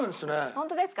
ホントですか？